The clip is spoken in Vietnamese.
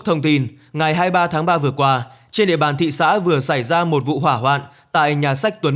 thông tin ngày hai mươi ba tháng ba vừa qua trên địa bàn thị xã vừa xảy ra một vụ hỏa hoạn tại nhà sách tuấn